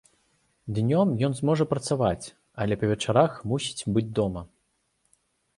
Днём ён зможа працаваць, але па вечарах мусіць быць дома.